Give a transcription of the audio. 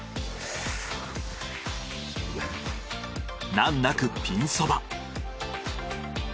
難なくピンそば。